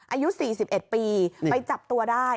อายุ๔๑ปีไปจับตัวได้